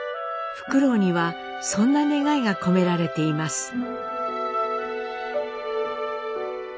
ふくろうにはそんな願いが込められています。